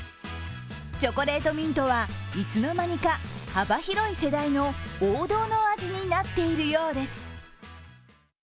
チョコレートミントは、いつの間にか幅広い世代の王道の味になっているようです。